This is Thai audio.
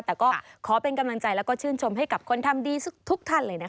แต่ก็ขอเป็นกำลังใจแล้วก็ชื่นชมให้กับคนทำดีทุกท่านเลยนะคะ